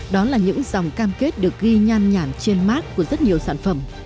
đó là những dòng cam kết được ghi nhan nhản trên mát của rất nhiều sản phẩm